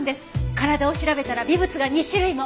体を調べたら微物が２種類も！